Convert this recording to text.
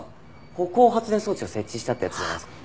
歩行発電装置を設置したってやつじゃないですか？